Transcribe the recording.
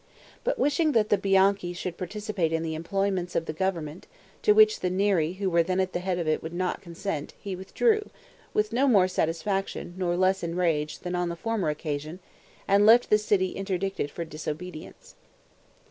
But wishing that the Bianchi should participate in the employments of the government, to which the Neri who were then at the head of it would not consent, he withdrew, with no more satisfaction nor less enraged than on the former occasion, and left the city interdicted for disobedience.